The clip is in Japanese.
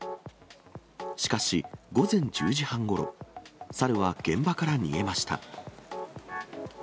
しかし、午前１０時半ごろ、猿は現場から逃げました。